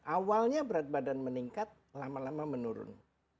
awalnya berat badan meningkat lama lama menurun